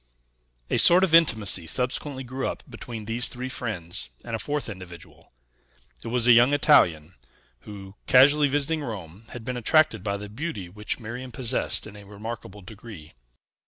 A sort of intimacy subsequently grew up between these three friends and a fourth individual; it was a young Italian, who, casually visiting Rome, had been attracted by the beauty which Miriam possessed in a remarkable degree.